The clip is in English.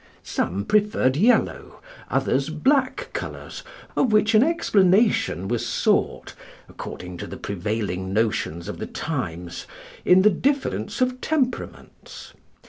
Some preferred yellow, others black colours, of which an explanation was sought, according to the prevailing notions of the times, in the difference of temperaments.